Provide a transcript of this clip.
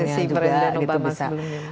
polisi perendah obama sebelumnya